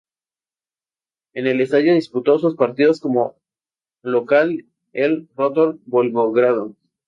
En el estadio disputó sus partidos como local el Rotor Volgogrado.